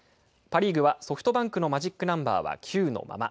パ・リーグはソフトバンクのマジックナンバーは９のまま。